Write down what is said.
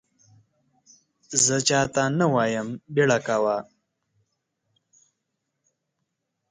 زه چا ته نه وایم بیړه کوه !